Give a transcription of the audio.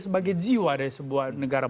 sebagai jiwa dari sebuah negara